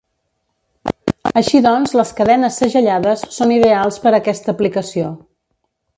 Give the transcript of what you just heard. Així doncs les cadenes segellades són ideals per aquesta aplicació.